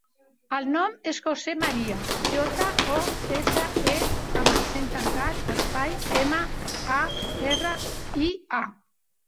El nom és José maria: jota, o, essa, e amb accent tancat, espai, ema, a, erra, i, a.